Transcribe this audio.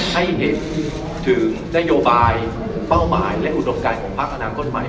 ให้เห็นถึงนโยบายเป้าหมายและอุดมการของภาคอนาคตใหม่